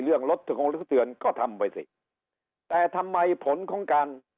เรื่องของเรื่องเตือนก็ทำไปสิแต่ทำไมผลของการ